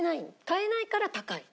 買えないから高い。